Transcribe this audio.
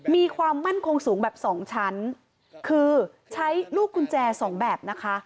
มีความมั่นคงสูงแบบสองชั้นคือใช้ลูกกุญแจสองแบบนะคะ